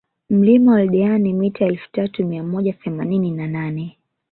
Mlima Oldeani mita elfu tatu mia moja themanini na nane